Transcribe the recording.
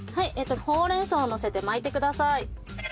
ほうれん草をのせて巻いてください。